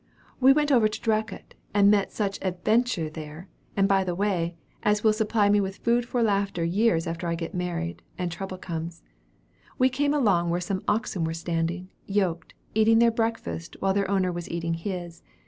We went over to Dracut, and met such adventures there and by the way, as will supply me with food for laughter years after I get married, and trouble comes. We came along where some oxen were standing, yoked, eating their breakfast while their owner was eating his.